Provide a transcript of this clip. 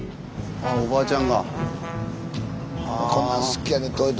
ああおばあちゃん